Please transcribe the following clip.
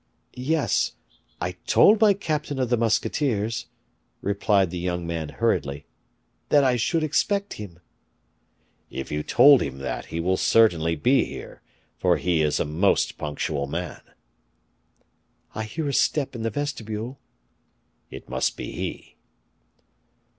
"Yes, I told my captain of the musketeers," replied the young man hurriedly, "that I should expect him." "If you told him that, he will certainly be here, for he is a most punctual man." "I hear a step in the vestibule." "It must be he."